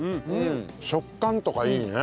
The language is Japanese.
食感とかいいね。